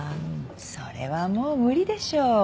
それはもう無理でしょう。